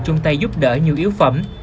chung tay giúp đỡ nhu yếu phẩm